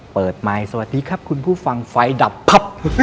ไมค์สวัสดีครับคุณผู้ฟังไฟดับพับ